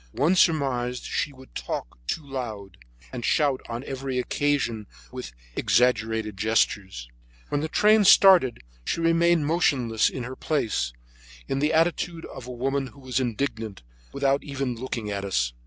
One surmised that she would talk too loud, and shout on every occasion with exaggerated gestures. When the train started she remained motionless in her place, in the attitude of a woman who was indignant, without even looking at us.